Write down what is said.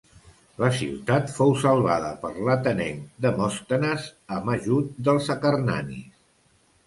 La ciutat fou salvada per l'atenenc Demòstenes amb ajut dels acarnanis.